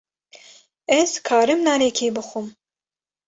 Ez karim nanekî bixwim.